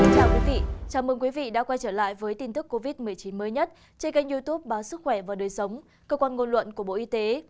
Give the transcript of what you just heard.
chào mừng quý vị đã quay trở lại với tin tức covid một mươi chín mới nhất trên kênh youtube báo sức khỏe và đời sống cơ quan ngôn luận của bộ y tế